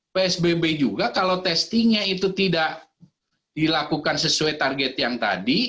psbb juga kalau testingnya itu tidak dilakukan sesuai target yang tadi